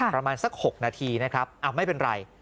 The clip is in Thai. ประมาณสัก๖นาทีนะครับไม่เป็นไร